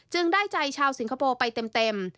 ได้ใจชาวสิงคโปร์ไปเต็ม